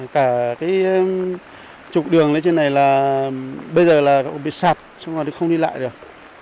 cả cái trục đường lên trên này là bây giờ là bị sạt không đi lại được